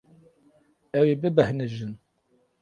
Ew ê bibêhnijin.